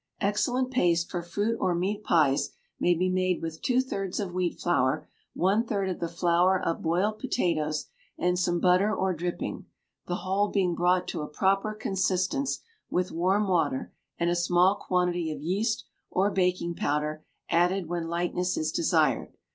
Excellent paste for fruit or meat pies may be made with two thirds of wheat flour, one third of the flour of boiled potatoes, and some butter or dripping; the whole being brought to a proper consistence with warm water, and a small quantity of yeast or baking powder added when lightness is desired.